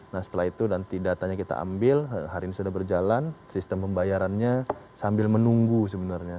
nah setelah itu nanti datanya kita ambil hari ini sudah berjalan sistem pembayarannya sambil menunggu sebenarnya